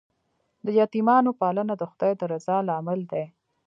د یتیمانو پالنه د خدای د رضا لامل دی.